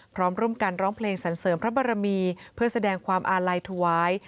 พร้อมร่วมกันร้องเพลงสรรเสริมพระบรมีเพื่อแสดงความอาลัยถวาย